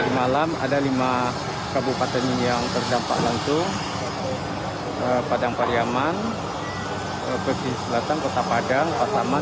malam ada lima kabupaten yang terdampak langsung padang pariyaman pesis selatan kota padang pasaman